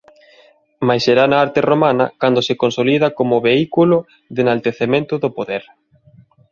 Mais será na arte romana cando se consolida como vehículo de enaltecemento do poder.